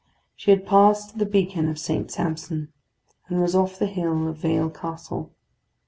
She had passed the beacon of St. Sampson, and was off the hill of Vale Castle.